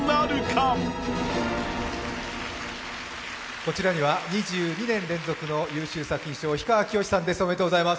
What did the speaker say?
こちらには２２年連続の優秀作品賞、氷川きよしさんです、おめでとうございます。